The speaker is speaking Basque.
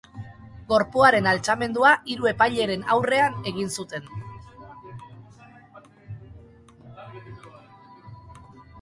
Gorpuaren altxamendua hiru epaileren aurrean egin zuten.